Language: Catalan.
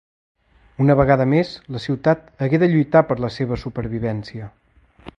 Una vegada més, la ciutat hagué de lluitar per la seva supervivència.